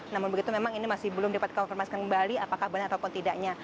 namun begitu memang ini masih belum dapat dikonfirmasi kembali apakah benar ataupun tidaknya